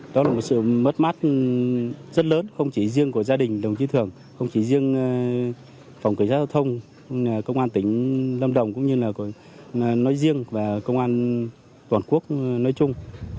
đó là một sự mất mát rất lớn không chỉ riêng của gia đình đồng chí thường không chỉ riêng phòng cảnh sát giao thông công an tỉnh lâm đồng cũng như là nói riêng và công an toàn quốc nói chung